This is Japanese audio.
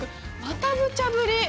またむちゃぶり！